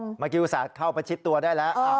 เมื่อกี้อุตสาธิตเข้าไปชิดตัวได้แล้ว